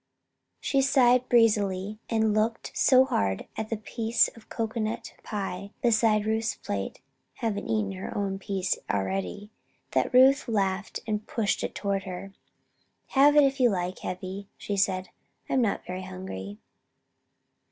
She sighed breezily and looked so hard at the piece of cocoanut pie beside Ruth's plate (having eaten her own piece already) that Ruth laughed and pushed it toward her. "Have it if you like, Heavy," she said. "I am not very hungry."